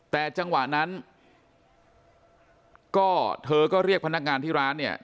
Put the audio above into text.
แต่จังหวะนั้นก็เธอก็เรียกพนักงานที่ร้านเนี่ย